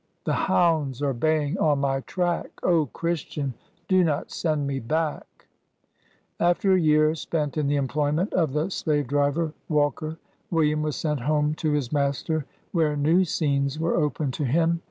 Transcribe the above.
Si The hounds are baying on my track, O, Christian ! do not send me back !" After a year spent in the employment of the slave driver, Walker, William was sent home to his master, where new scenes were opened to him.